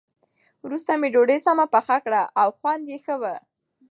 وروسته مې ډوډۍ سمه پخه کړه او خوند یې ښه و.